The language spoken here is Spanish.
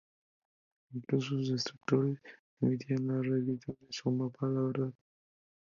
Incluso sus detractores admitían la rectitud de su amor por la verdad.